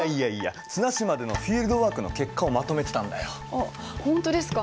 あっ本当ですか？